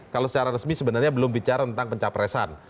kalau secara resmi sebenarnya belum bicara tentang pencapresan